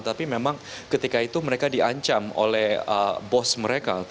tapi memang ketika itu mereka diancam oleh bos mereka